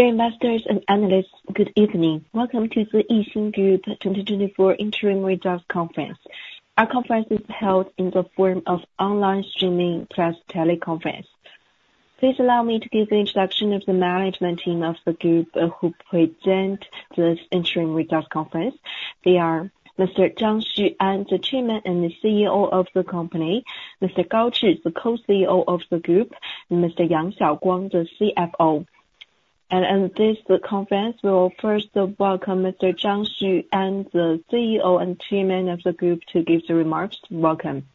Investors and analysts, good evening. Welcome to the Yixin Group 2024 Interim Results Conference. Our conference is held in the form of online streaming plus teleconference. Please allow me to give the introduction of the management team of the group who present this interim results conference. They are Mr. Zhang Xu, the Chairman and the CEO of the company, Mr. Gao Zhi, the Co-CEO of the group, and Mr. Yang Xiaoguang, the CFO. In this conference, we will first welcome Mr. Zhang Xu, the CEO and Chairman of the group, to give the remarks. Welcome.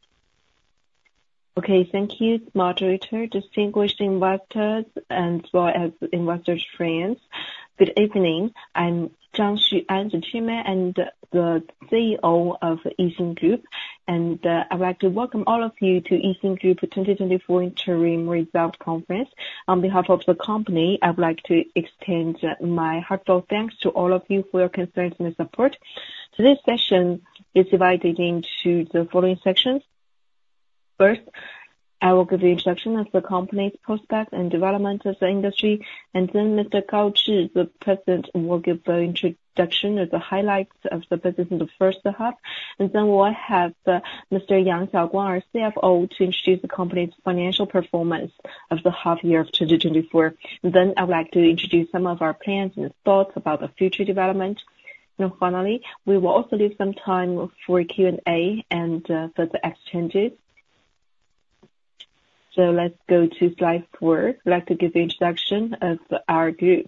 Okay, thank you, moderator. Distinguished investors as well as investors' friends, good evening. I'm Zhang Xu, I'm the Chairman and the CEO of Yixin Group, and I'd like to welcome all of you to Yixin Group 2024 interim results conference. On behalf of the company, I'd like to extend my heartfelt thanks to all of you for your concerns and support. Today's session is divided into the following sections. First, I will give the introduction of the company's prospects and development of the industry, and then Mr. Gao Zhi, the President, will give the introduction of the highlights of the business in the first half. And then we'll have Mr. Yang Xiaoguang, our CFO, to introduce the company's financial performance of the half year of 2024. Then I would like to introduce some of our plans and thoughts about the future development. And finally, we will also leave some time for Q&A and for the exchanges. So let's go to slide 4. I'd like to give the introduction of our group.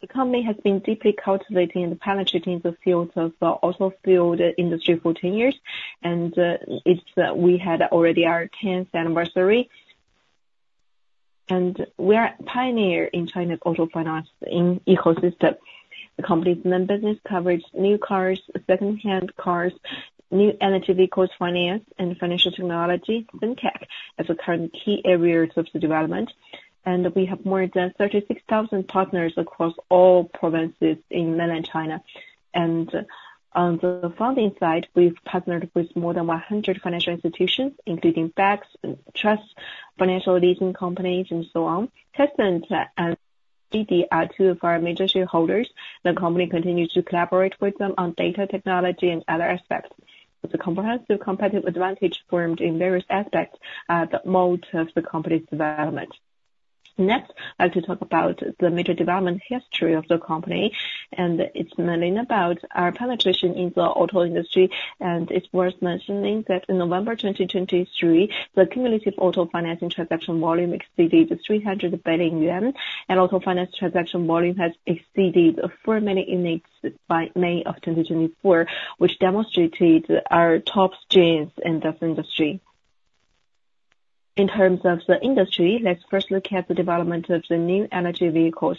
The company has been deeply cultivating the penetration in the field of the auto field industry for 10 years, and, it's, we had already our tenth anniversary. We are a pioneer in China's auto finance ecosystem. The company's main business coverage, new cars, second-hand cars, new energy vehicles, finance and financial technology, FinTech, as the current key areas of the development. We have more than 36,000 partners across all provinces in mainland China. On the funding side, we've partnered with more than 100 financial institutions, including banks and trusts, financial leasing companies, and so on. Tencent and Didi are two of our major shareholders. The company continues to collaborate with them on data technology and other aspects. It's a comprehensive competitive advantage formed in various aspects at the most of the company's development. Next, I'd like to talk about the major development history of the company, and it's mainly about our penetration in the auto industry. It's worth mentioning that in November 2023, the cumulative auto financing transaction volume exceeded 300 billion yuan, and auto finance transaction volume has exceeded 4 million units by May 2024, which demonstrated our top stance in this industry. In terms of the industry, let's first look at the development of the new energy vehicles.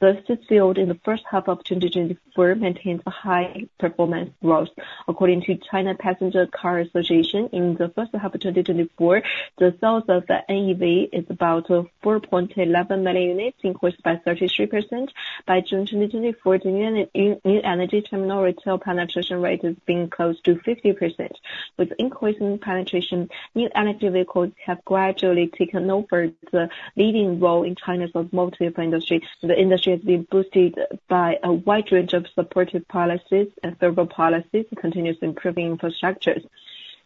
First, this field in the first half of 2024 maintains a high performance growth. According to China Passenger Car Association, in the first half of 2024, the sales of the NEV is about 4.11 million units, increased by 33%. By June 2024, the unit new energy terminal retail penetration rate has been close to 50%. With increasing penetration, new energy vehicles have gradually taken over the leading role in China's automotive industry. The industry has been boosted by a wide range of supportive policies and several policies, continuous improving infrastructures.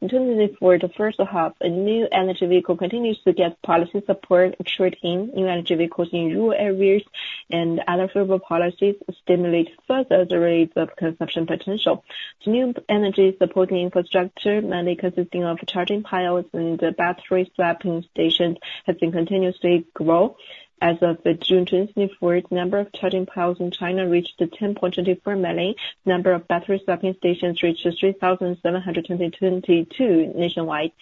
In terms of for the first half, a new energy vehicle continues to get policy support, ensuring new energy vehicles in rural areas and other favorable policies stimulate further the rate of consumption potential. The new energy supporting infrastructure, mainly consisting of charging piles and the battery swapping stations, has been continuously grow. As of June 2024, the number of charging piles in China reached 10.24 million, number of battery swapping stations reached 3,722 nationwide.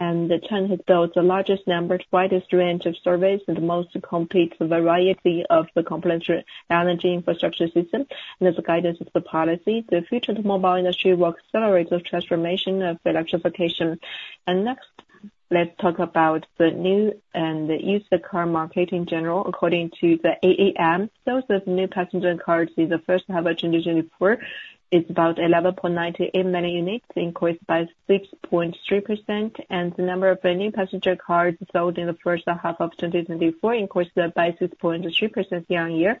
The trend has built the largest number, widest range of surveys, and the most complete variety of the complementary energy infrastructure system. As a guidance of the policy, the future of the automobile industry will accelerate the transformation of electrification. Next, let's talk about the new and the used car market in general. According to the CAAM, sales of new passenger cars in the first half of 2024 is about 11.98 million units, increased by 6.3%, and the number of the new passenger cars sold in the first half of 2024 increased by 6.3% year-on-year.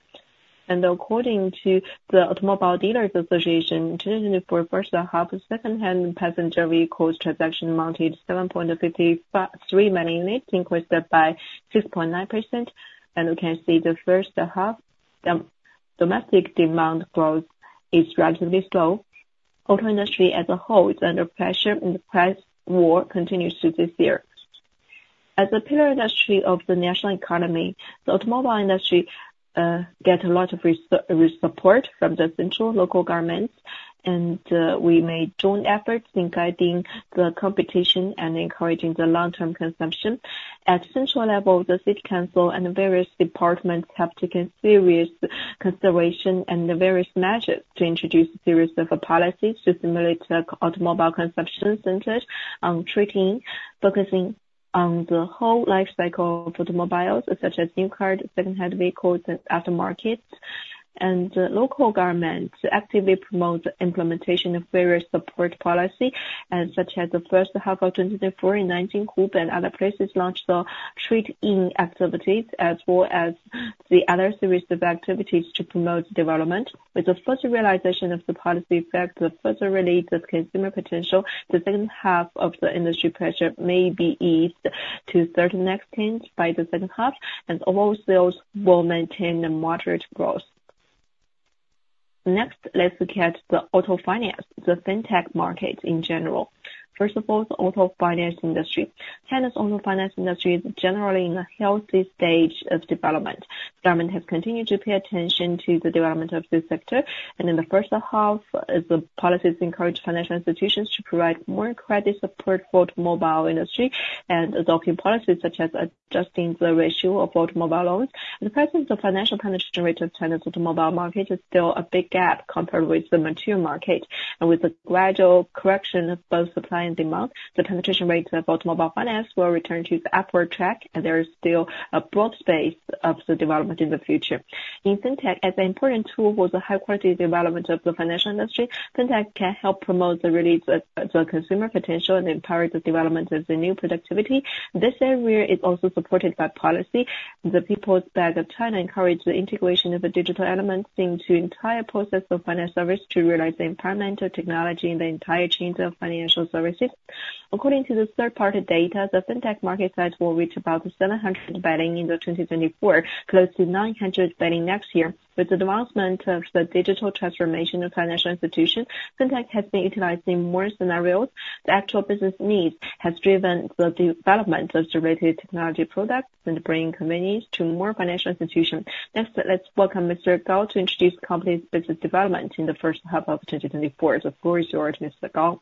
According to the Automobile Dealers Association, 2024 first half secondhand passenger vehicles transaction amounted 7.53 million units, increased by 6.9%. We can see the first half, the domestic demand growth is relatively slow. Auto industry as a whole is under pressure, and the price war continues to this year. As a pillar industry of the national economy, the automobile industry get a lot of resource support from the central and local government, and we made joint efforts in guiding the competition and encouraging the long-term consumption. At central level, the city council and the various departments have taken serious consideration and various measures to introduce a series of policies to stimulate the automobile consumption centers on treating, focusing on the whole life cycle of automobiles, such as new cars, second-hand vehicles, and after-market, and local governments actively promote the implementation of various support policy, and such as the first half of 2024 in Nanjing and other places launched the trade-in activities, as well as the other series of activities to promote development. With the first realization of the policy effect, the first release of consumer potential, the second half of the industry pressure may be eased to certain extent by the second half, and overall sales will maintain a moderate growth. Next, let's look at the auto finance, the Fintech market in general. First of all, the auto finance industry. China's auto finance industry is generally in a healthy stage of development. Government has continued to pay attention to the development of this sector, and in the first half, as the policies encourage financial institutions to provide more credit support for automobile industry and adopting policies such as adjusting the ratio of both automobile loans. The current financial penetration rate of China's automobile market is still a big gap compared with the mature market. With the gradual correction of both supply and demand, the penetration rate of automobile finance will return to the upward track, and there is still a broad space of the development in the future. In Fintech, as an important tool for the high quality development of the financial industry, Fintech can help promote the release of the consumer potential and empower the development of the new productivity. This area is also supported by policy. The People's Bank of China encourage the integration of the digital elements into entire process of finance service to realize the empowerment of technology in the entire chain of financial services. According to the third-party data, the Fintech market size will reach about 700 billion in 2024, close to 900 billion next year. With the development of the digital transformation of financial institutions, Fintech has been utilized in more scenarios. The actual business needs has driven the development of the related technology products and bringing convenience to more financial institutions. Next, let's welcome Mr. Gao to introduce the company's business development in the first half of 2024. The floor is yours, Mr. Gao.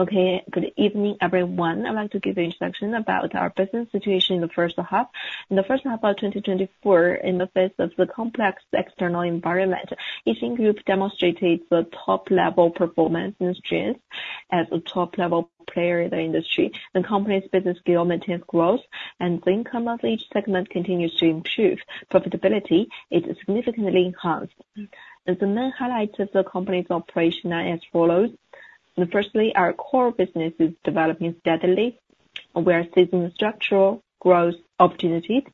Okay, good evening, everyone. I'd like to give you introduction about our business situation in the first half. In the first half of 2024, in the face of the complex external environment, Yixin Group demonstrated the top level performance in strength. As a top-level player in the industry, the company's business skill maintained growth, and the income of each segment continues to improve. Profitability is significantly enhanced. The main highlights of the company's operation are as follows: firstly, our core business is developing steadily. We are seeing structural growth opportunities.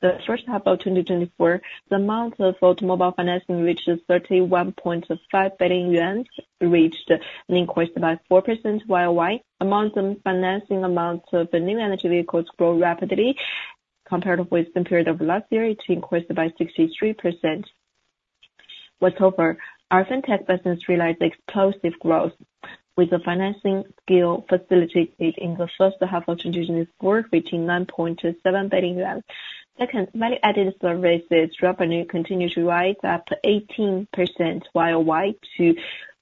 The first half of 2024, the amount of automobile financing reached 31.5 billion yuan, reached an increase by 4% YOY. Amount of financing, amount of the new energy vehicles grow rapidly. Compared with the period of last year, it increased by 63%. Whatever, our Fintech business realized explosive growth, with the financing skill facilitated in the first half of 2024, reaching 9.7 billion yuan. Second, value-added services revenue continued to rise, up 18% YOY to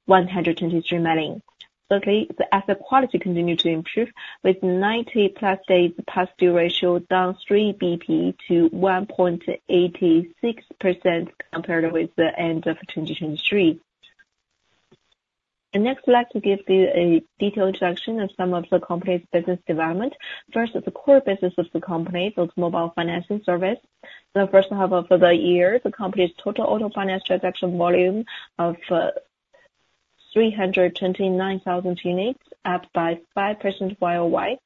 123 million. Thirdly, the asset quality continued to improve, with 90+ days past due ratio down three BP to 1.86% compared with the end of 2023. Next, I'd like to give you a detailed introduction of some of the company's business development. First, the core business of the company, the mobile financing service. The first half of the year, the company's total auto finance transaction volume of 329,000 units, up by 5% YOY.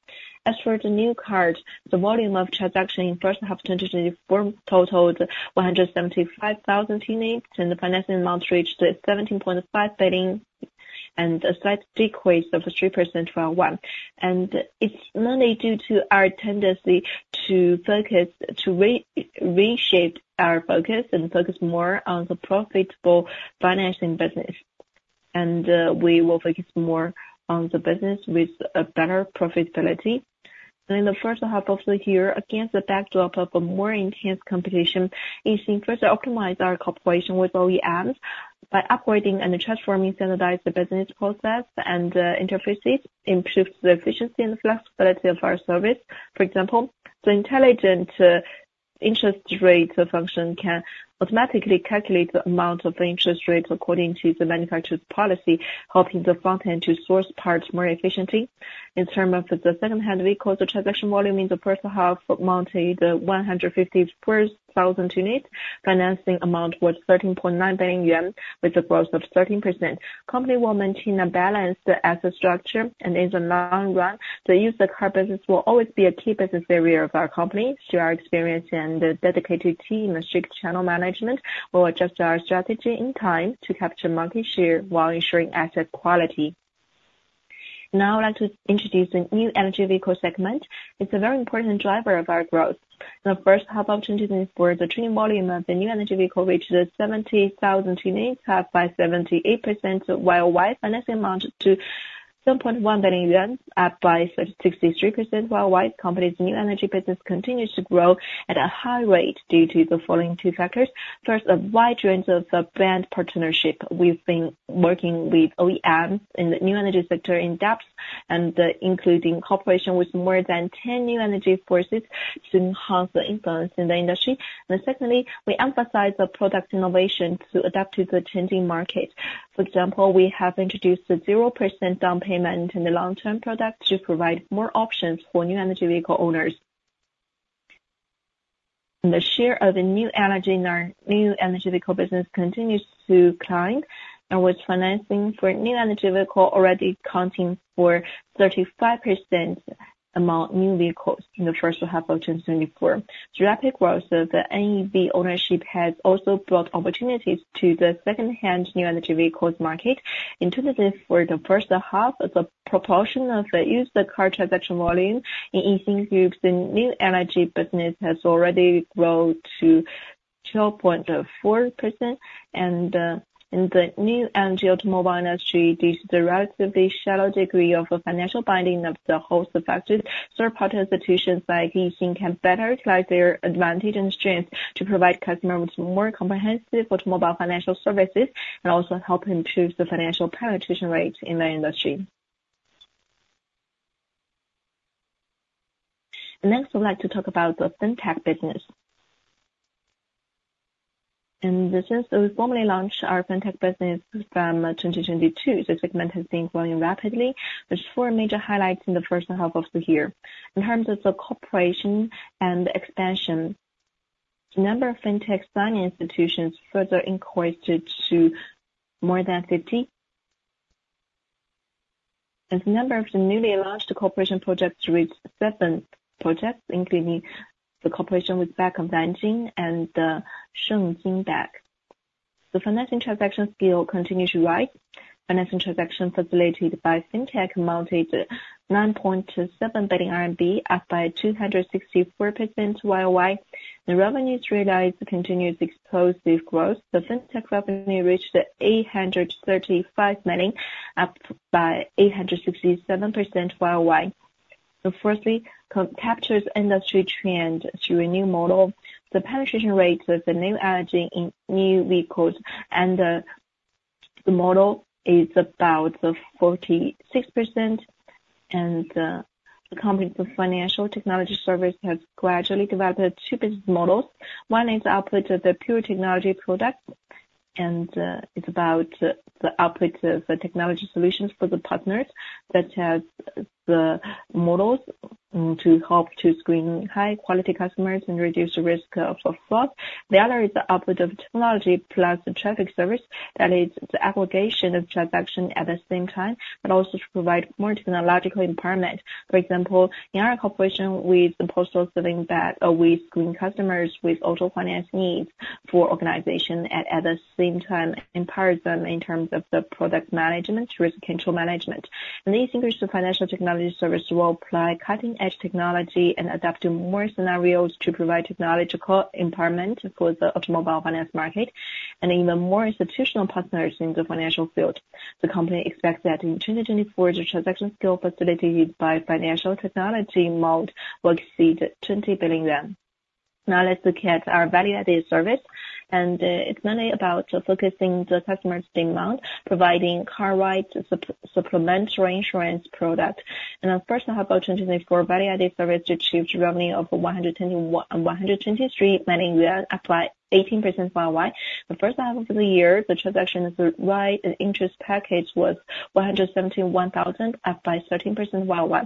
As for the new car, the volume of transaction in first half 2024 totaled 175,000 units, and the financing amount reached 17.5 billion, and a slight decrease of 3% YOY. It's mainly due to our tendency to focus, to reshape our focus and focus more on the profitable financing business. We will focus more on the business with a better profitability. In the first half of the year, against the backdrop of a more enhanced competition, Yixin first optimized our cooperation with OEMs by upgrading and transforming standardized business process and interfaces, improved the efficiency and flexibility of our service. For example, the intelligent interest rate function can automatically calculate the amount of interest rates according to the manufacturer's policy, helping the front end to source parts more efficiently. In terms of the secondhand vehicles, the transaction volume in the first half amounted to 154,000 units. Financing amount was 13.9 billion yuan, with a growth of 13%. Company will maintain a balanced asset structure, and in the long run, the used car business will always be a key business area of our company. Through our experience and a dedicated team and strict channel management, we'll adjust our strategy in time to capture market share while ensuring asset quality. Now I'd like to introduce the new energy vehicle segment. It's a very important driver of our growth. The first half opportunity for the trading volume of the new energy vehicle, which is 70,000 units, up by 78% YOY. Financing amount to 2.1 billion yuan, up by 63% YOY. Company's new energy business continues to grow at a high rate due to the following two factors. First, a wide range of the brand partnership. We've been working with OEMs in the new energy sector in depth, and including cooperation with more than 10 new energy forces to enhance the influence in the industry. And secondly, we emphasize the product innovation to adapt to the changing market. For example, we have introduced a 0% down payment in the long-term product to provide more options for new energy vehicle owners. The share of the new energy in our new energy vehicle business continues to climb, and with financing for new energy vehicle already accounting for 35% among new vehicles in the first half of 2024. Rapid growth of the NEV ownership has also brought opportunities to the secondhand new energy vehicles market. In 2024, the first half of the proportion of the used car transaction volume in Yixin Group, the new energy business has already grown to 12.4%. And, in the new energy automobile industry, due to the relatively shallow degree of the financial binding of the host factors, third-party institutions like Yixin can better utilize their advantage and strength to provide customers with more comprehensive automobile financial services, and also help improve the financial penetration rates in the industry. Next, I'd like to talk about the Fintech business. Since we formally launched our Fintech business from 2022, the segment has been growing rapidly. There's four major highlights in the first half of the year. In terms of the cooperation and expansion, the number of Fintech signing institutions further increased to more than 50. The number of the newly launched cooperation projects reached 7 projects, including the cooperation with Bank of Beijing and Shengjing Bank. The financing transaction scale continues to rise. Financing transaction facilitated by Fintech amounted to 9.7 billion RMB, up by 264% YOY. The revenues realized continued explosive growth. The Fintech revenue reached 835 million, up by 867% YOY. Firstly, captures industry trend through a new model. The penetration rate of the new energy in new vehicles and the model is about 46%. The company's financial technology service has gradually developed two business models. One is output of the pure technology product, and it's about the output of the technology solutions for the partners, that has the models, to help to screen high-quality customers and reduce the risk for fraud. The other is the output of technology plus the traffic service. That is the aggregation of transaction at the same time, but also to provide more technological empowerment. For example, in our cooperation with the Postal Savings Bank, we screen customers with auto finance needs for organization, and at the same time, empower them in terms of the product management, risk control management. And these increased financial technology services will apply cutting-edge technology and adapt to more scenarios to provide technological empowerment for the automobile finance market and even more institutional partners in the financial field. The company expects that in 2024, the transaction scale facilitated by financial technology amount will exceed 20 billion yuan. Now let's look at our value-added service. It's mainly about focusing the customer's demand, providing car ride, supplementary insurance product. In the first half of 2024, value-added service achieved revenue of 123 million, up by 18% YOY. The first half of the year, the transactions ride and interest package was 171,000, up by 13% YOY.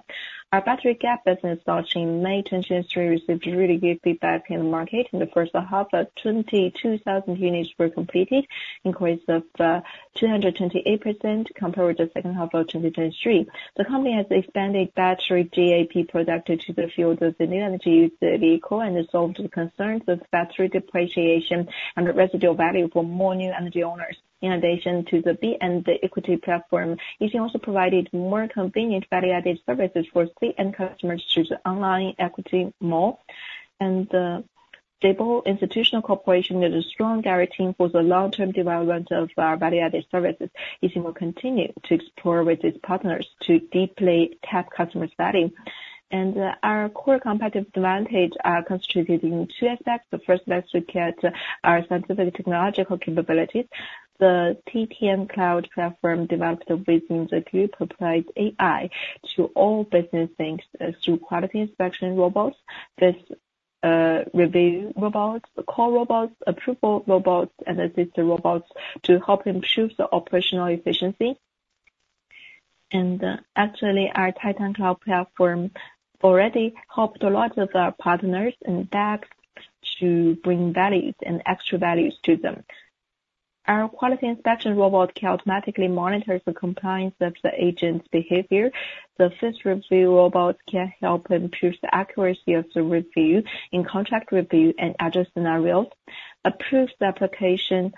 Our Battery GAP business launched in May 2023, received really good feedback in the market. In the first half of 2022, 22,000 units were completed, increase of 228% compared with the second half of 2023. The company has expanded Battery GAP product to the field of the new energy vehicle, and has solved the concerns of battery depreciation and residual value for more new energy owners. In addition to the B-end equity platform, Yixin also provided more convenient value-added services for C-end customers through the online equity mall. Stable institutional cooperation is a strong guarantee for the long-term development of our value-added services. Yixin will continue to explore with its partners to deeply tap customer value. Our core competitive advantage are concentrated in two aspects. The first, let's look at our scientific technological capabilities. The Titan Cloud platform developed within the group applies AI to all business things through quality inspection robots. This review robots, the call robots, approval robots, and assistant robots to help improve the operational efficiency. Actually, our Titan Cloud platform already helped a lot of our partners and banks to bring values and extra values to them. Our quality inspection robot can automatically monitor the compliance of the agent's behavior. The first review robots can help improve the accuracy of the review in contract review and other scenarios. Approved application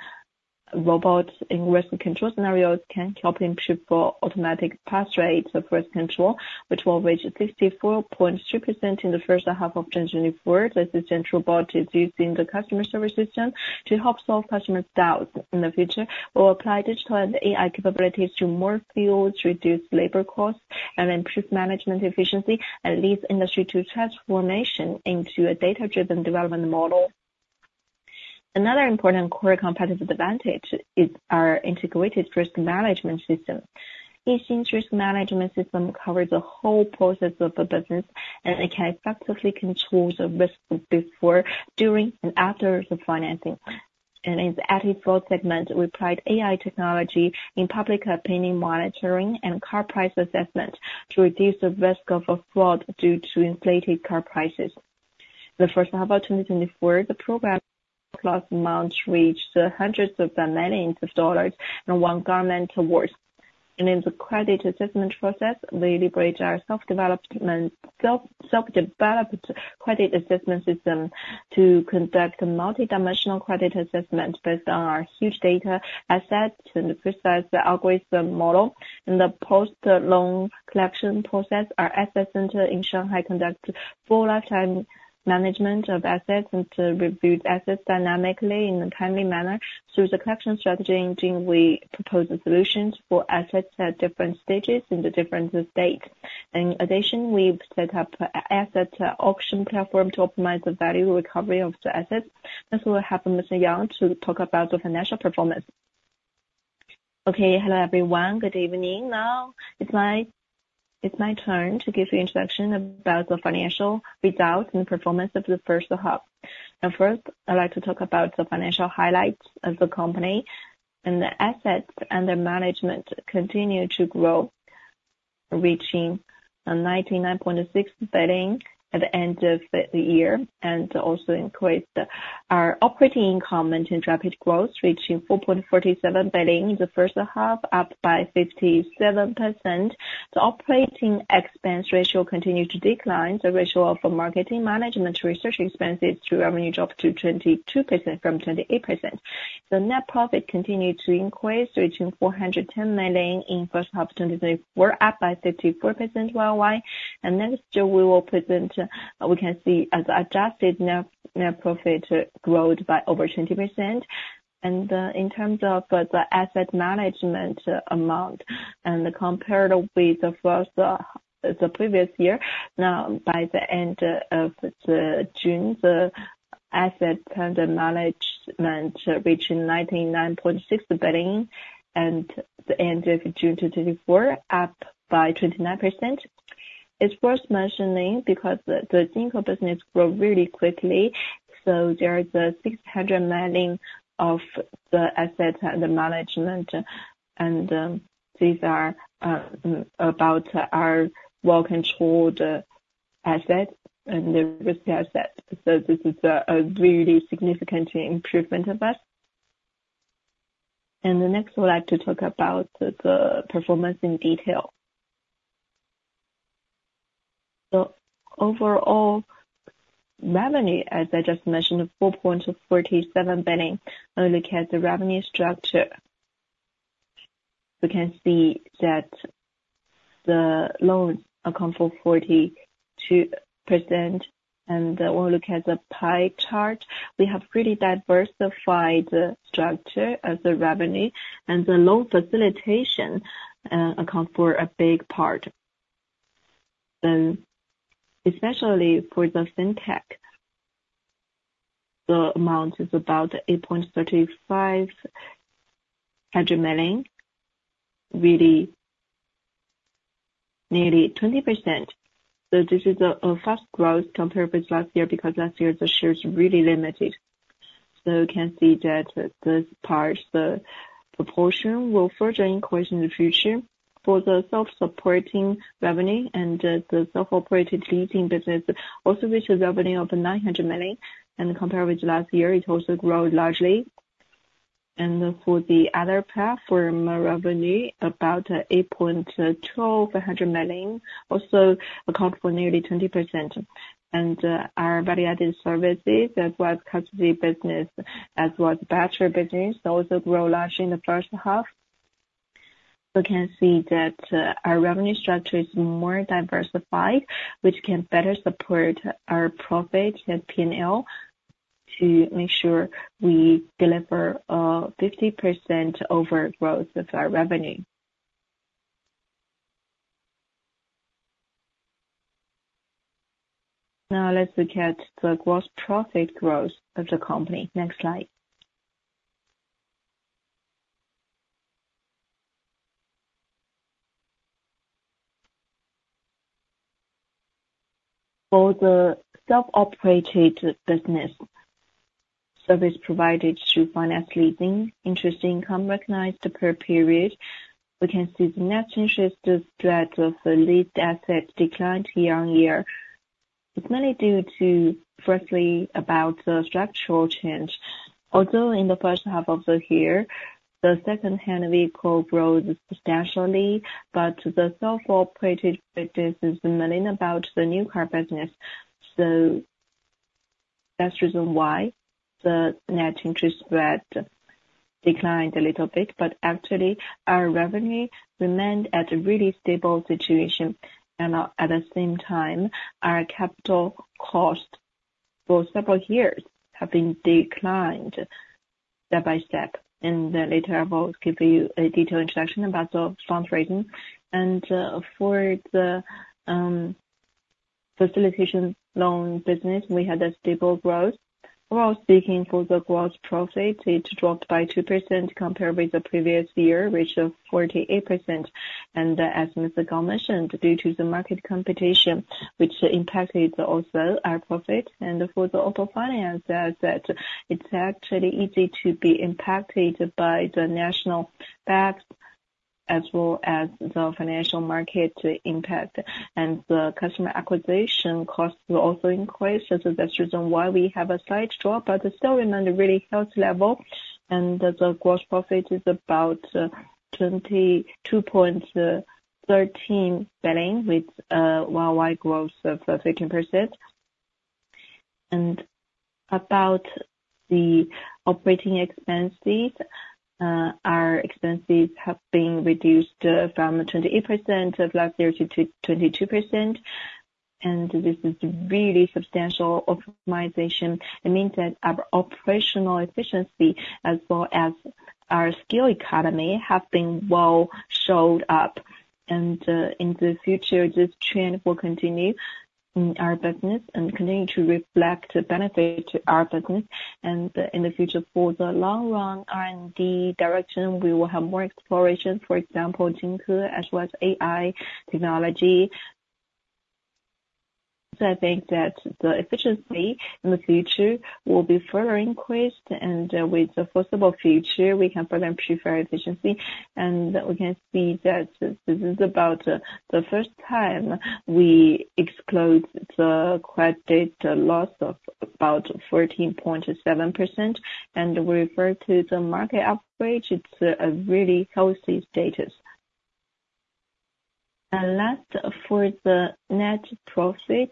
robots in risk control scenarios can help improve for automatic pass rates of risk control, which will reach 64.2% in the first half of 2024. The assistant robot is used in the customer service system to help solve customers' doubts. In the future, we'll apply digital and AI capabilities to more fields to reduce labor costs and improve management efficiency, and lead industry to transformation into a data-driven development model. Another important core competitive advantage is our integrated risk management system. Yixin risk management system covers the whole process of the business, and it can effectively control the risk before, during, and after the financing. In the anti-fraud segment, we applied AI technology in public opinion monitoring and car price assessment to reduce the risk of fraud due to inflated car prices. The first half of 2024, the Pujiang Program amounts reached hundreds of millions of dollars and won government awards. In the credit assessment process, we leverage our self-developed credit assessment system to conduct multi-dimensional credit assessment based on our huge data assets and precise algorithm model. In the post-loan collection process, our asset center in Shanghai conducts full lifetime management of assets, and to review assets dynamically in a timely manner. Through the collection strategy engine, we propose solutions for assets at different stages in the different state. In addition, we've set up a asset auction platform to optimize the value recovery of the assets. Next, we will have Mr. Yang to talk about the financial performance. Okay. Hello, everyone. Good evening. Now, it's my turn to give you introduction about the financial results and performance of the first half. First, I'd like to talk about the financial highlights of the company, and the assets under management continue to grow, reaching 99.6 billion at the end of the year, and also increased our operating income and rapid growth, reaching 4.47 billion in the first half, up by 57%. The operating expense ratio continued to decline. The ratio of marketing management research expenses to revenue dropped to 22% from 28%. The net profit continued to increase, reaching 410 million in first half 2024, up by 54% year-on-year. Next year, we will present, we can see as adjusted net, net profit growth by over 20%. In terms of the asset management amount, and compared with the first, the previous year, now by the end of June, the assets under management reached 99.6 billion at the end of June 2024, up by 29%. It's worth mentioning because the scenario business grew really quickly, so there is 600 million of the assets under management, and these are about our well-controlled assets and the risky assets. So this is a really significant improvement of us. Next, I'd like to talk about the performance in detail. Overall revenue, as I just mentioned, 4.47 billion. Now look at the revenue structure. We can see that the loan account for 42%, and when we look at the pie chart, we have pretty diversified the structure of the revenue. The loan facilitation accounts for a big part, and especially for the Fintech. The amount is about 835 million, really nearly 20%. So this is a fast growth compared with last year, because last year the shares were really limited. So we can see that this part, the proportion, will further increase in the future. For the self-supporting revenue and the self-operated leasing business, also reaches revenue of 900 million, and compared with last year, it also grew largely. And for the other platform revenue, about 812 million, also accounted for nearly 20%. And our value-added services, as well as custody business, as well as battery business, also grow largely in the first half. We can see that, our revenue structure is more diversified, which can better support our profit and PNL, to make sure we deliver, 50% over growth of our revenue. Now, let's look at the gross profit growth of the company. Next slide. For the self-operated business service provided through finance leasing, interest income recognized per period, we can see the net interest spread of the leased assets declined year-over-year. It's mainly due to, firstly, about the structural change. Although in the first half of the year, the second-hand vehicle grows substantially, but the self-operated business is mainly about the new car business. So that's reason why the net interest spread declined a little bit. But actually, our revenue remained at a really stable situation. And, at the same time, our capital cost for several years have been declined step by step. Then later, I will give you a detailed introduction about the fund raising. For the facilitation loan business, we had a stable growth. While speaking for the gross profit, it dropped by 2% compared with the previous year, which is 48%. And as Mr. Gao mentioned, due to the market competition, which impacted also our profit, and for the auto finance, that it's actually easy to be impacted by the national banks, as well as the financial market impact, and the customer acquisition costs will also increase. So that's the reason why we have a slight drop, but it's still remain a really healthy level, and the gross profit is about 22.13 billion, with a worldwide growth of 13%. About the operating expenses, our expenses have been reduced from 28% of last year to 22%, and this is really substantial optimization. It means that our operational efficiency as well as our skill economy have been well showed up. In the future, this trend will continue in our business and continue to reflect the benefit to our business. In the future, for the long run R&D direction, we will have more exploration, for example, Jinke, as well as AI technology. So I think that the efficiency in the future will be further increased, and with the foreseeable future, we can further improve our efficiency. We can see that this is about the first time we exclude the credit loss of about 14.7%. And refer to the market upgrade, it's a really healthy status. Last, for the net profit,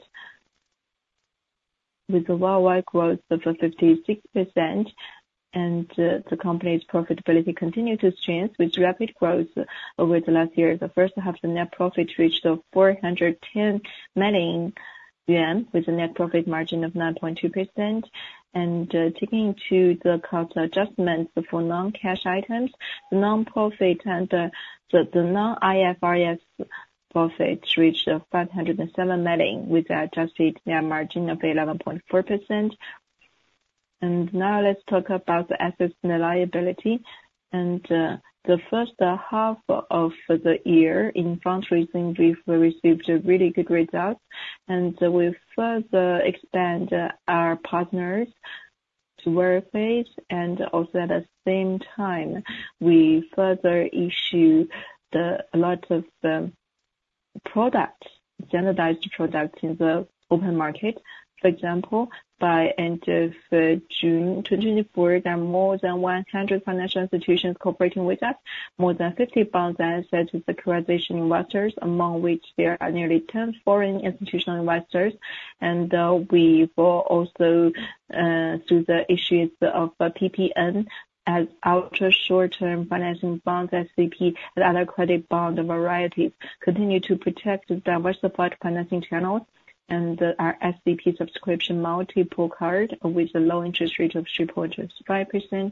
with the worldwide growth of 56% and the company's profitability continued to change with rapid growth over the last year. The first half, the net profit reached of 410 million yuan, with a net profit margin of 9.2%. Taking into account the adjustments for non-cash items, the non-IFRS profit reached 507 million, with adjusted net margin of 11.4%. Now let's talk about the assets and liability. The first half of the year in fundraising, we've received a really good result, and we've further expanded our partners to work with. Also at the same time, we further issue a lot of products, standardized products in the open market. For example, by end of June 2024, there are more than 100 financial institutions cooperating with us, more than 50 banks with securitization investors, among which there are nearly 10 foreign institutional investors. We will also do the issues of PPN as ultra short-term financing bonds, SCP and other credit bond varieties, continue to protect the diversified financing channels, and our SCP subscription multiple capped with a low interest rate of 3.5%. In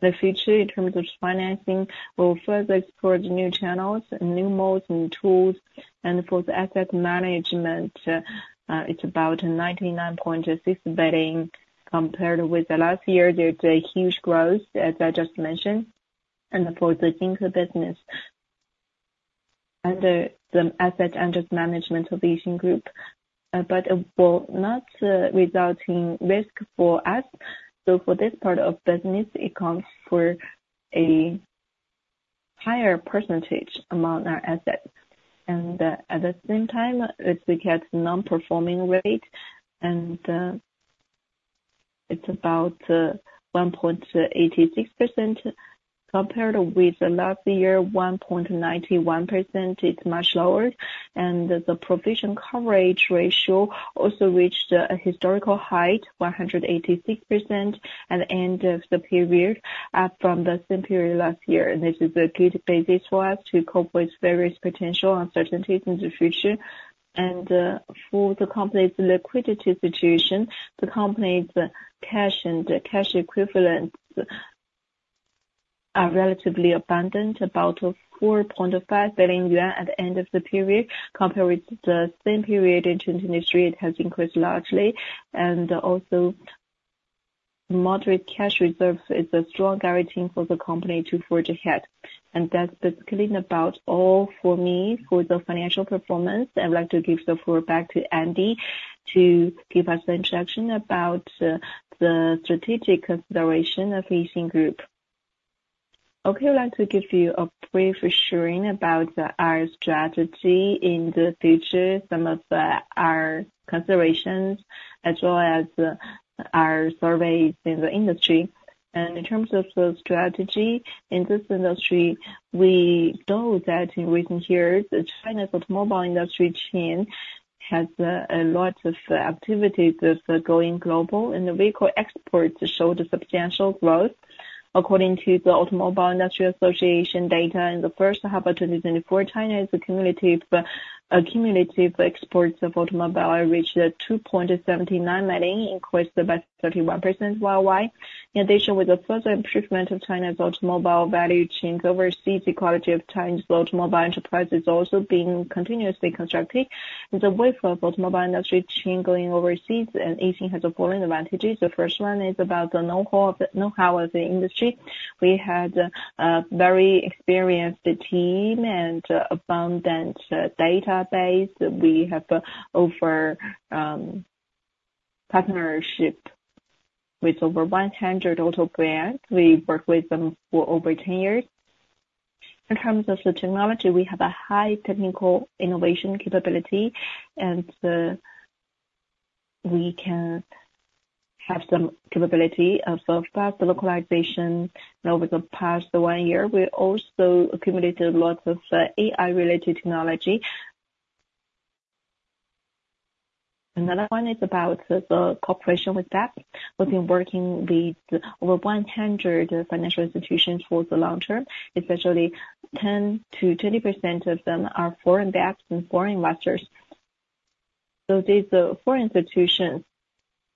the future in terms of financing will further explore the new channels, new modes and tools. For the asset management, it's about 99.6 billion compared with the last year. There's a huge growth, as I just mentioned, and for the Fintech business, under the asset under management of the Yixin Group, but it will not result in risk for us. So for this part of business, it accounts for a higher percentage among our assets. At the same time, it gets non-performing rate, and, it's about 1.86% compared with the last year, 1.91%. It's much lower. The provision coverage ratio also reached a historical high of 186% at the end of the period, up from the same period last year. This is a good basis for us to cope with various potential uncertainties in the future. For the company's liquidity situation, the company's cash and cash equivalents are relatively abundant, about 4.5 billion yuan at the end of the period. Compared with the same period in 2023, it has increased largely. Also, moderate cash reserves is a strong guarantee for the company to forge ahead. That's basically about all for me for the financial performance. I'd like to give the floor back to Andy to give us an introduction about the strategic consideration of Yixin Group. Okay, I'd like to give you a brief sharing about our strategy in the future, some of our considerations, as well as our surveys in the industry. In terms of the strategy, in this industry, we know that in recent years, China's automobile industry chain has a lot of activities that are going global, and the vehicle exports showed a substantial growth. According to the China Association of Automobile Manufacturers data, in the first half of 2024, China's cumulative exports of automobiles reached 2.79 million, increased by 31% worldwide. In addition, with the further improvement of China's automobile value chain overseas, the quality of China's automobile enterprise is also being continuously constructed. The wave of automobile industry chain going overseas, and Yixin has the following advantages. The first one is about the know-how, know-how of the industry. We have a very experienced team and abundant database. We have over partnership with over 100 auto brands. We work with them for over 10 years. In terms of the technology, we have a high technical innovation capability, and we can have some capability of self-passed localization. And over the past 1 year, we also accumulated lots of AI-related technology. Another one is about the, the cooperation with banks. We've been working with over 100 financial institutions for the long term, especially 10%-20% of them are foreign banks and foreign investors. So these foreign institutions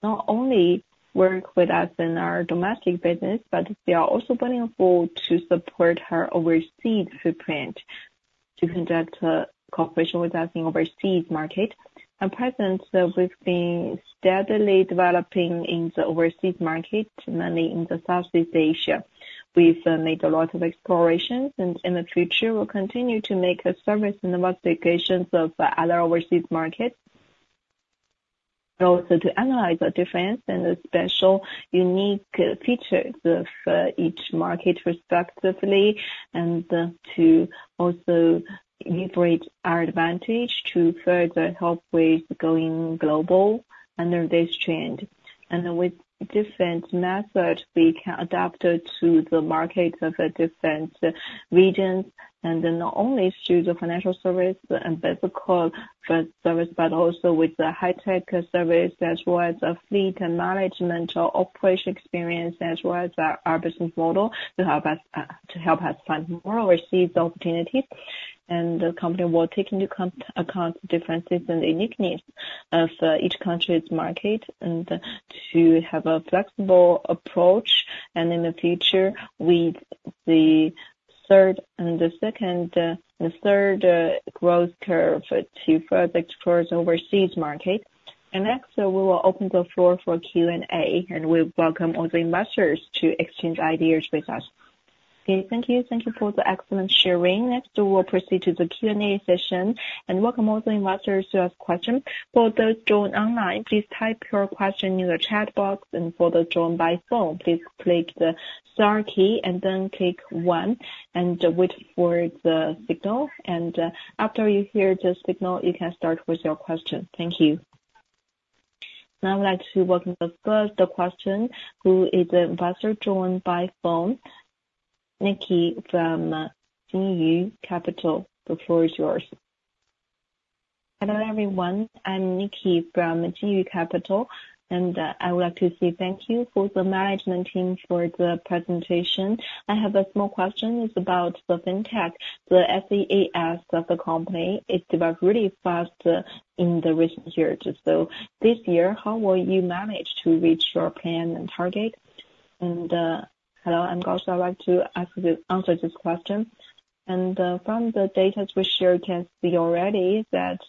not only work with us in our domestic business, but they are also willing to support our overseas footprint to conduct cooperation with us in overseas market. At present, we've been steadily developing in the overseas market, mainly in the Southeast Asia. We've made a lot of explorations, and in the future, we'll continue to make a service investigations of other overseas markets. And also to analyze the difference and the special unique features of each market respectively, and to also leverage our advantage to further help with going global under this trend. With different methods, we can adapt it to the markets of different regions, and then not only through the financial service and basic service, but also with the high-tech service, as well as a fleet and management or operation experience, as well as our business model to help us to help us find more overseas opportunities. The company will take into account differences and uniqueness of each country's market, and to have a flexible approach, and in the future, with the third and the second, the third growth curve to further explore the overseas market. Next, we will open the floor for Q&A, and we welcome all the investors to exchange ideas with us. Okay, thank you. Thank you for the excellent sharing. Next, we will proceed to the Q&A session, and welcome all the investors to ask questions. For the joined online, please type your question in the chat box, and for the joined by phone, please click the star key and then click one, and wait for the signal. And, after you hear the signal, you can start with your question. Thank you. Now I'd like to welcome the first question, who is the investor joined by phone. Nikki from Gaoyu Capital, the floor is yours. Hello, everyone, I'm Nikki from Gaoyu Capital, and I would like to say thank you for the management team for the presentation. I have a small question. It's about the Fintech, the SaaS of the company. It developed really fast in the recent years. So this year, how will you manage to reach your plan and target? Hello, I'm Gao. So I'd like to answer this question. From the data we shared, you can see already that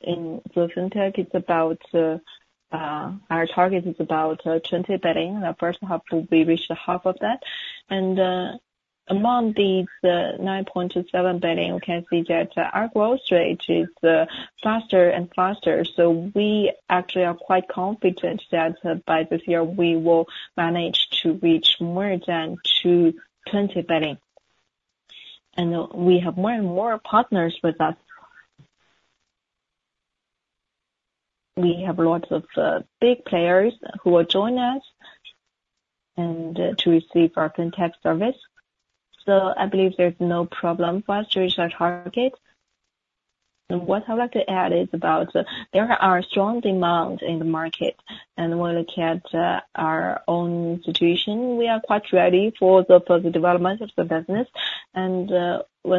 in the fintech, it's about our target is about 20 billion. The first half, we reached half of that. Among these, 9.7 billion, we can see that our growth rate is faster and faster. So we actually are quite confident that by this year, we will manage to reach more than 220 billion. We have more and more partners with us. We have lots of big players who will join us and to receive our fintech service. So I believe there's no problem for us to reach our target. What I'd like to add is about there are strong demand in the market, and when we look at our own situation, we are quite ready for the development of the business. When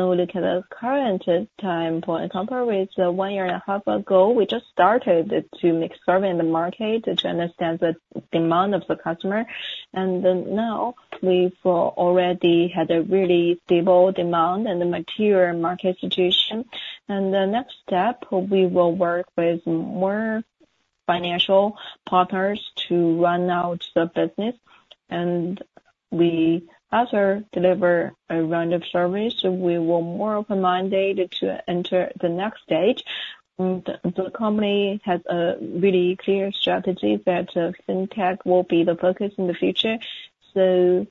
we look at the current time point, compared with one year and a half ago, we just started to make survey in the market to understand the demand of the customer. And then now, we've already had a really stable demand and a mature market situation. And the next step, we will work with more financial partners to run out the business. And we also deliver a round of service, so we will more open-minded to enter the next stage. And the company has a really clear strategy that fintech will be the focus in the future. So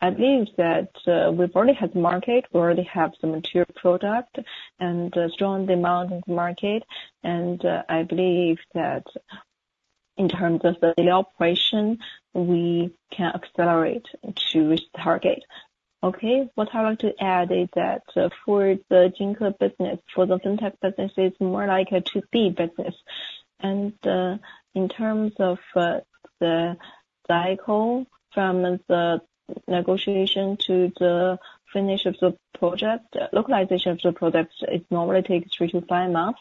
I believe that we've already had the market, we already have the mature product and a strong demand in the market. I believe that in terms of the daily operation, we can accelerate to reach target. Okay. What I'd like to add is that for the Fintech business, it's more like a to-be business. And in terms of the cycle from the negotiation to the finish of the project, localization of the products, it normally takes 3-5 months.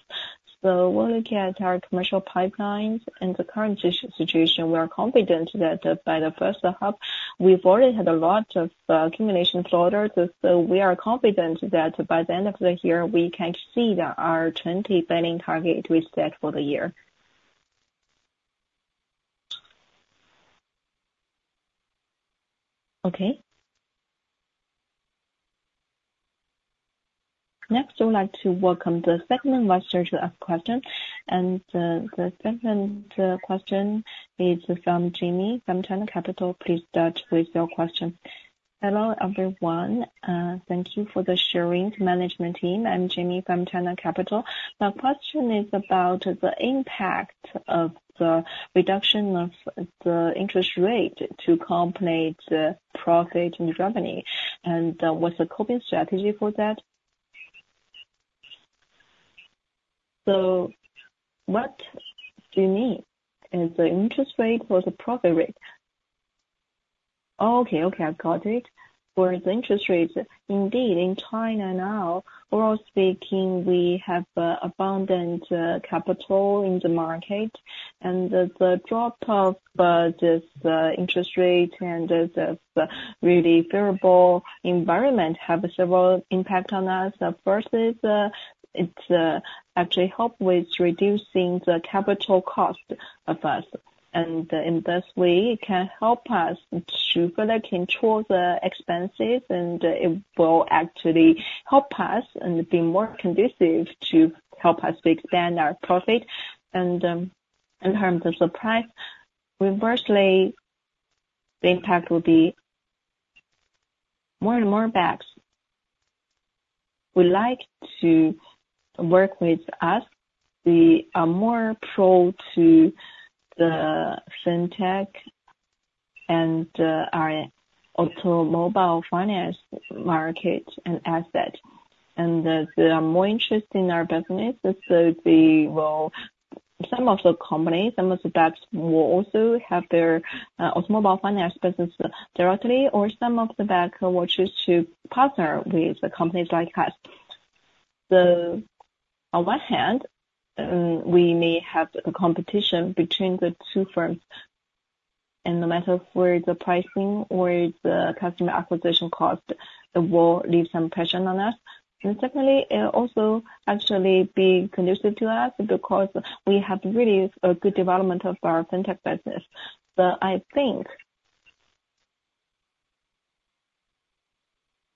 So when we look at our commercial pipelines and the current situation, we are confident that by the first half, we've already had a lot of accumulation orders. So we are confident that by the end of the year, we can see that our 20 billion target is set for the year. Okay? Next, I would like to welcome the second investor to ask question. And, the second, question is from Jimmy from China Renaissance. Please start with your question. Hello, everyone. Thank you for the sharing management team. I'm Jimmy from China Renaissance. My question is about the impact of the reduction of the interest rate to compensate the profit and revenue, and, what's the coping strategy for that? So what do you mean? Is the interest rate or the profit rate? Okay. Okay, I've got it. For the interest rates, indeed, in China now, overall speaking, we have, abundant, capital in the market. And the drop of this interest rate and the really favorable environment have a several impact on us. The first is, it actually help with reducing the capital cost of us. In this way, it can help us to further control the expenses, and it will actually help us and be more conducive to help us to expand our profit. In terms of the price, reversely, the impact will be more and more banks would like to work with us. We are more pro to the Fintech and our automobile finance market and asset. And they are more interested in our business, so they will. Some of the companies, some of the banks will also have their automobile finance business directly, or some of the bank will choose to partner with the companies like us. So on one hand, we may have a competition between the two firms, and no matter where the pricing or the customer acquisition cost, it will leave some pressure on us. And secondly, it'll also actually be conducive to us because we have really a good development of our fintech business. So I think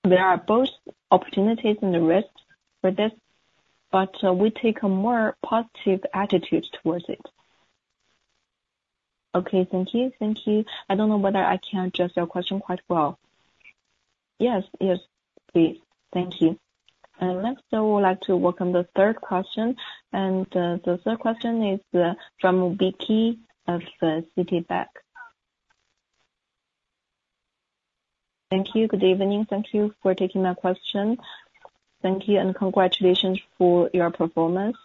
there are both opportunities and the risks for this, but, we take a more positive attitude towards it. Okay, thank you. Thank you. I don't know whether I can address your question quite well. Yes. Yes, please. Thank you. And next, I would like to welcome the third question. And, the third question is, from Becky Lee of Citigroup. Thank you. Good evening. Thank you for taking my question. Thank you, and congratulations for your performance.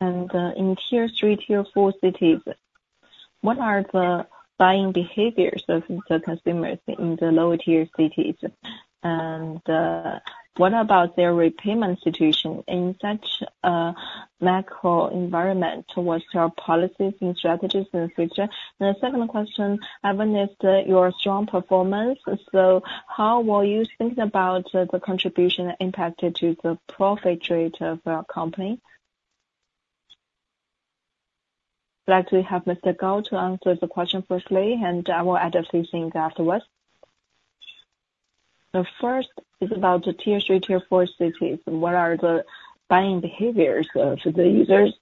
And, in Tier 3, Tier 4 cities, what are the buying behaviors of the consumers in the lower-tier cities? And, what about their repayment situation in such a macro environment? What's your policies and strategies in the future? The second question, I've noticed, your strong performance, so how will you think about the contribution impacted to the profit rate of our company? I'd like to have Mr. Gao to answer the question firstly, and I will add a few things afterwards. The first is about the tier three, tier four cities, and what are the buying behaviors, to the users?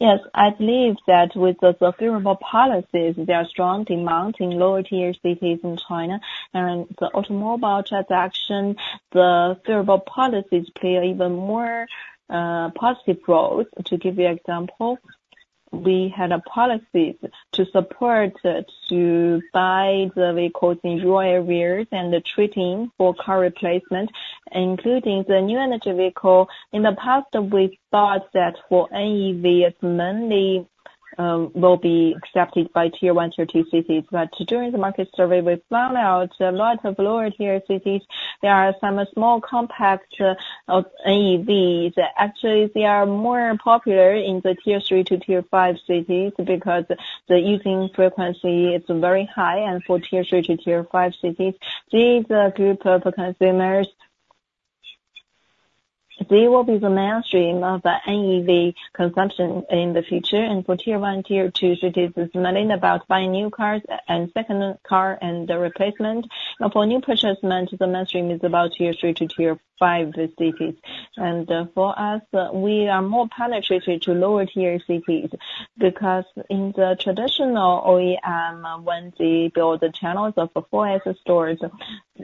Yes, I believe that with the favorable policies, there are strong demand in lower-tier cities in China. And the automobile transaction, the favorable policies play an even more positive role. To give you example, we had a policy to support to buy the vehicles in rural areas and the trading for car replacement, including the new energy vehicle. In the past, we thought that for NEV, it mainly will be accepted by tier one, tier two cities. But during the market survey, we found out a lot of lower-tier cities, there are some small compact of NEVs. Actually, they are more popular in the tier three to tier five cities because the using frequency is very high, and for tier three to tier five cities, these are group of consumers. They will be the mainstream of the NEV consumption in the future. And for tier one, tier two cities, it's mainly about buying new cars and second car and the replacement. Now, for new purchase management, the mainstream is about tier three to tier five cities. And for us, we are more penetrated to lower-tier cities, because in the traditional OEM, when they build the channels of the four SS stores,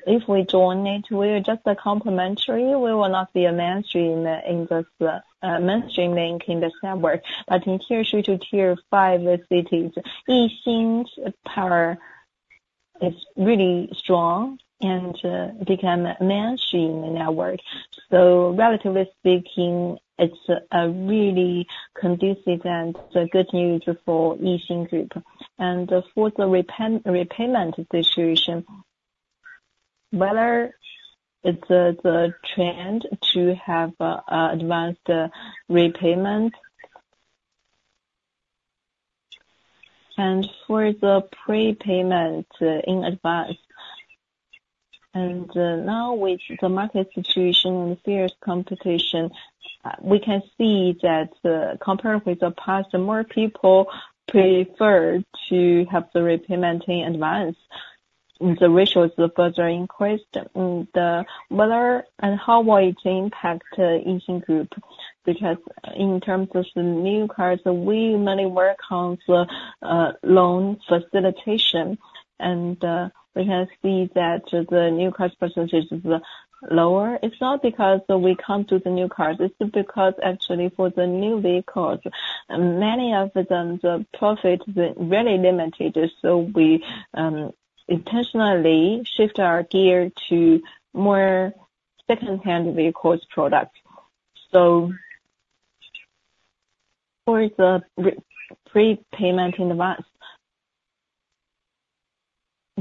if we join it, we are just a complementary, we will not be a mainstream in this mainstream link in this network. But in tier three to tier five cities, Yixin's power is really strong, and become a mainstream in our work. So relatively speaking, it's a really conducive and the good news for Yixin Group. And for the repayment situation, whether it's the trend to have advanced repayment. And for the prepayment in advance? And now with the market situation and fierce competition, we can see that compared with the past, more people prefer to have the repayment in advance, and the ratios of those are increased. And whether and how will it impact Yixin Group? Because in terms of the new cars, we mainly work on the loan facilitation, and we can see that the new car percentage is lower. It's not because we can't do the new cars, it's because actually for the new vehicles, many of them, the profit is really limited. So we intentionally shift our gear to more secondhand vehicles products. So for the prepayment in advance,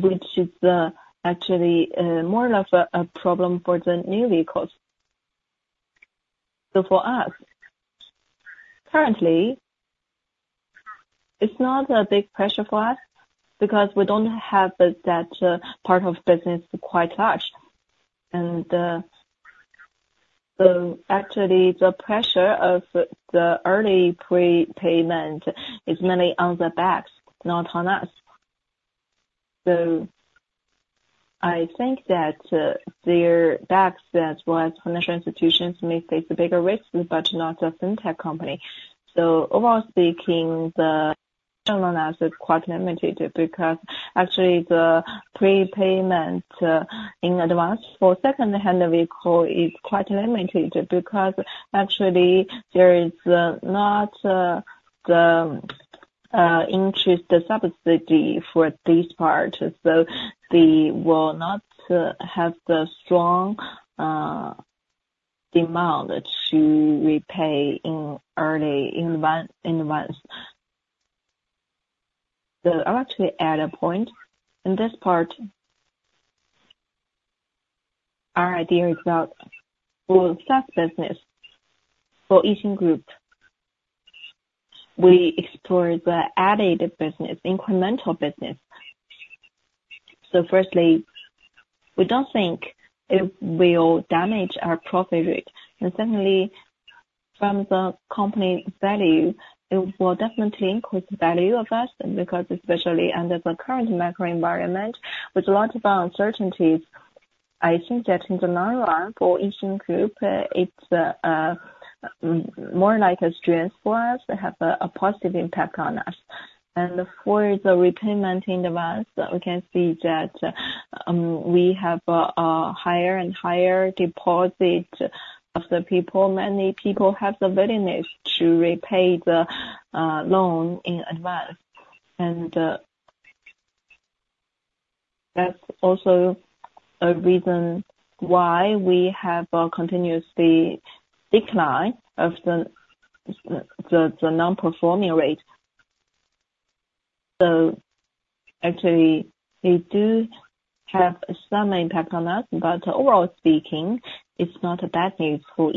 which is actually more of a problem for the new vehicles. So for us, currently, it's not a big pressure for us, because we don't have that part of business quite large. And so actually, the pressure of the early prepayment is mainly on the banks, not on us. So I think that their banks, as well as financial institutions, may face bigger risks, but not a Fintech company. So overall speaking, the as quite limited, because actually the prepayment in advance for secondhand vehicle is quite limited, because actually there is not the interest subsidy for this part, so they will not have the strong demand to repay in early in advance, in advance. So I would actually add a point. In this part, our idea is about for stock business, for Yixin Group, we explore the added business, incremental business. So firstly, we don't think it will damage our profit rate. And secondly, from the company value, it will definitely increase the value of us, because especially under the current macro environment, with a lot of uncertainties, I think that in the long run, for Yixin Group, it's more like a strength for us to have a positive impact on us. For the repayment in advance, we can see that we have a higher and higher deposit of the people. Many people have the willingness to repay the loan in advance. And that's also a reason why we have a continuously decline of the non-performing rate. So actually, they do have some impact on us, but overall speaking, it's not a bad news for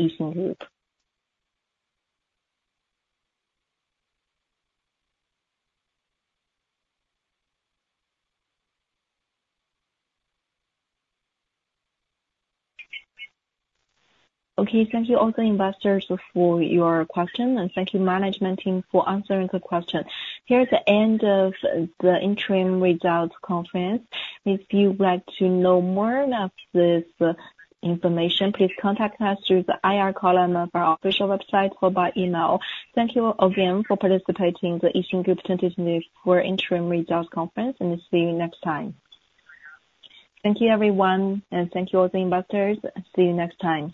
Yixin Group. Okay. Thank you all the investors for your questions, and thank you, management team, for answering the questions. Here's the end of the interim results conference. If you'd like to know more of this information, please contact us through the IR column of our official website or by email. Thank you again for participating in the Yixin Group 2024 Interim Results Conference, and see you next time. Thank you, everyone, and thank you all the investors. See you next time.